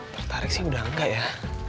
tertarik sih udah enggak ya